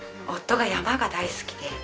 夫が山が大好きで。